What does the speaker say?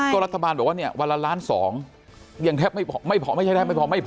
ก็รัฐบาลบอกว่าเนี่ยวันละล้านสองยังแทบไม่พอไม่ใช่แทบไม่พอไม่พอ